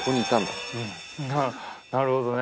なるほどね。